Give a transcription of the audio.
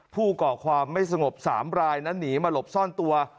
ก่อความไม่สงบ๓รายนั้นหนีมาหลบซ่อนตัว